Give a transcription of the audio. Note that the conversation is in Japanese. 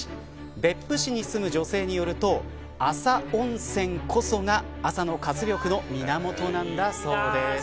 別府市に住む女性によると朝温泉こそが朝の活力の源なんだそうです。